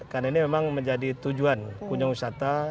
karena ini memang menjadi tujuan kunjung wisata